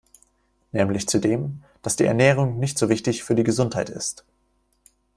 Nämlich zu dem, dass die Ernährung nicht so wichtig für die Gesundheit ist.